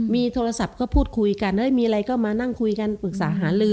มีโทรศัพท์ก็พูดคุยกันมีอะไรก็มานั่งคุยกันปรึกษาหาลือ